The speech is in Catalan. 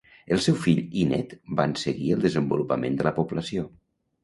El seu fill i nét van seguir el desenvolupament de la població.